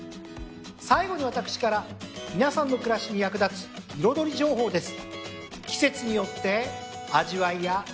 最後に私から皆さんの暮らしに役立つ彩り情報です。